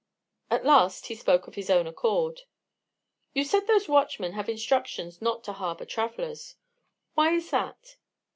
At last he spoke of his own accord: "You said those watchmen have instructions not to harbor travellers. Why is that?"